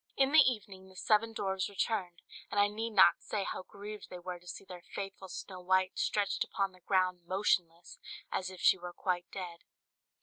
"] In the evening the seven dwarfs returned; and I need not say how grieved they were to see their faithful Snow White stretched upon the ground motionless, as if she were quite dead.